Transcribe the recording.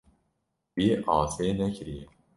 Wî asê nekiriye.